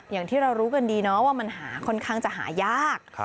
อย่างที่เรารู้กันดีเนาะว่ามันหาค่อนข้างจะหายาก